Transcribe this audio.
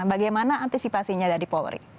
bagaimana antisipasinya dari polri